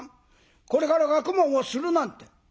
これから学問をするなんて」。